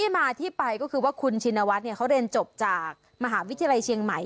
มาที่ไปก็คือว่าคุณชินวัฒน์เขาเรียนจบจากมหาวิทยาลัยเชียงใหม่